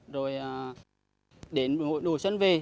rồi đến hội đồ xuân về